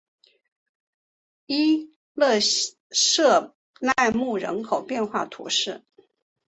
伊勒瑟奈姆人口变化图示